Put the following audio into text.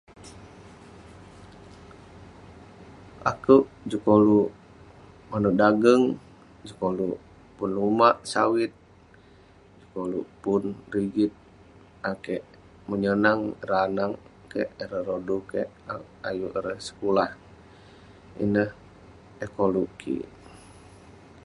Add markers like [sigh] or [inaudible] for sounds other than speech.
Akuek juk koluk manuek dageng, juk koluek pun lumak sawit, koluek pun rigit ayuk kek [unintelligible] meyenangkan ireh anag kek [unintelligible] rodu kek [unintelligible] ayuk ireh sekulah ineh eh koluk kik